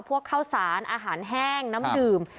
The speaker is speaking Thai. ข้าวสารอาหารแห้งน้ำดื่ม